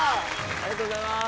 ありがとうございます。